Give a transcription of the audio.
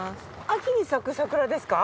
秋に咲くサクラですか？